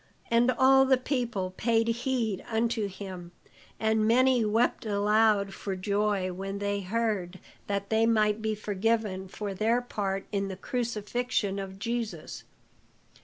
And all the people paid heed unto him; and many wept aloud for joy when they heard that they might be forgiven for their part in the crucifixion of Jesus.